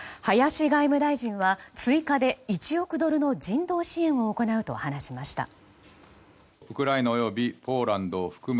林外務大臣は追加で１億ドルの人道支援を行うと話しました。